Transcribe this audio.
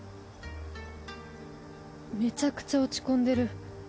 めちゃくちゃ落ち込んでる。